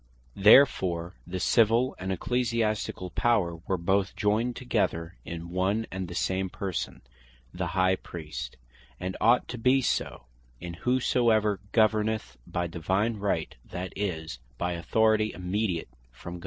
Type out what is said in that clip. Therefore the Civill and Ecclesiasticall Power were both joined together in one and the same person, the High Priest; and ought to bee so, in whosoever governeth by Divine Right; that is, by Authority immediate from God.